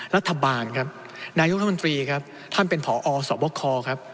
รัฐบาลครับนายกรัฐมนตรีครับท่านเป็นผอสบคครับ